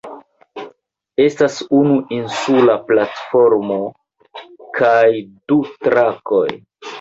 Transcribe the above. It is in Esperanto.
Estas unu insula platformo kaj du trakoj.